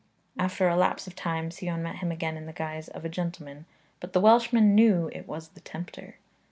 After a lapse of time, Sion met him again in the guise of a gentleman, but the Welshman knew it was the tempter.